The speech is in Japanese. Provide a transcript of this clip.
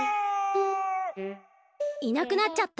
いなくなっちゃった。